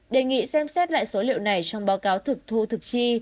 đề nghị xem xét lại số liệu này trong báo cáo thực thu thực chi